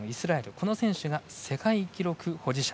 この選手が世界記録保持者。